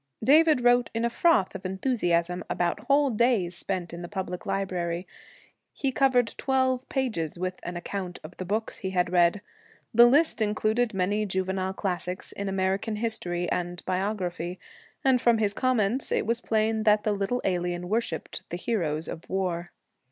David wrote in a froth of enthusiasm about whole days spent in the public library. He covered twelve pages with an account of the books he had read. The list included many juvenile classics in American history and biography; and from his comments it was plain that the little alien worshiped the heroes of war.